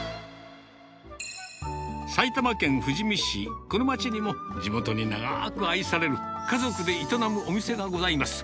埼玉県富士見市、この町にも、地元に長く愛される家族で営むお店がございます。